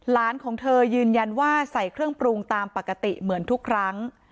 ของเธอยืนยันว่าใส่เครื่องปรุงตามปกติเหมือนทุกครั้ง